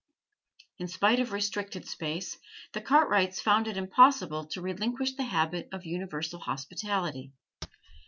In spite of restricted space, the Cartwrights found it impossible to relinquish the habit of universal hospitality.